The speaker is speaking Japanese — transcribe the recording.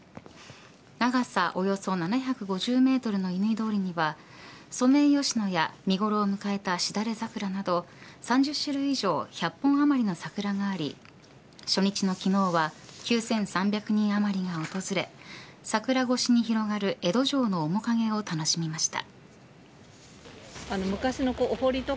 長さ、およそ７５０メートルの乾通りにはソメイヨシノや見頃を迎えたシダレザクラなど３０種類以上１００本余りの桜があり初日の昨日は９３０人あまりが訪れ桜越しに広がる江戸城の面影を楽しみました。